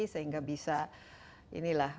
sehingga bisa inilah